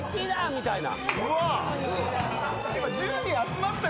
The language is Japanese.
みたいな。